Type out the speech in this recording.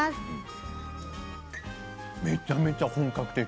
めちゃめちゃ本格的。